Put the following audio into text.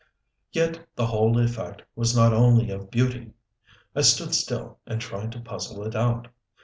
Yet the whole effect was not only of beauty. I stood still, and tried to puzzle it out.